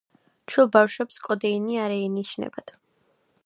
ჩვილ ბავშვებს კოდეინი არ ენიშნებათ.